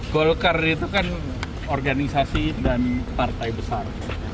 golkar itu kan organisasi dan partai besar